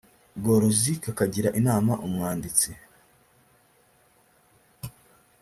bworozi kakagira inama umwanditsi